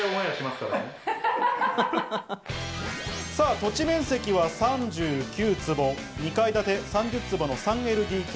土地面積は３９坪、２階建て３０坪の３ＬＤＫ。